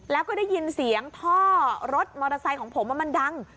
แล้วก็ได้ยินเสียงท่อรถมอเตอร์ไซค์ของผมว่ามันดัง